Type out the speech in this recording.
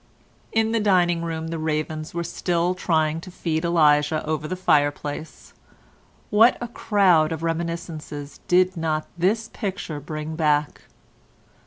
In the dining room the ravens were still trying to feed Elijah over the fireplace; what a crowd of reminiscences did not this picture bring back!